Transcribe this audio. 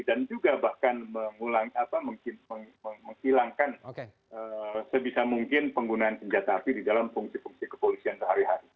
dan juga bahkan menghilangkan sebisa mungkin penggunaan senjata api di dalam fungsi fungsi kepolisian sehari hari